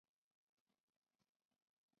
现时董事长及首席执行官朱大成先生。